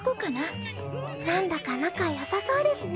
何だか仲よさそうですね。